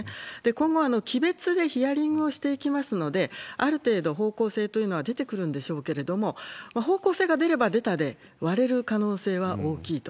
今後、期別でヒアリングをしていきますので、ある程度方向性というのは出てくるんでしょうけれども、方向性が出れば出たで、割れる可能性は大きいと。